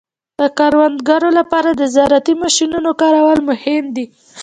د کروندګرو لپاره د زراعتي ماشینونو کارول مهم دي.